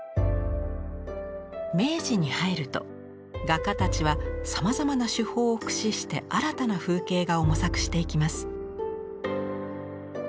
明治に入ると画家たちはさまざまな手法を駆使して新たな風景画を模索していきます。